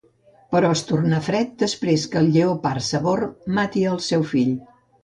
Però es torna fred després que el lleopard Sabor mati al seu fill.